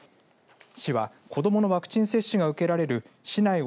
市は子どものワクチン接種が受けられる市内